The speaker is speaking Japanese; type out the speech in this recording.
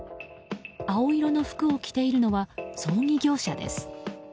青色の服を着ているのは葬儀業者です。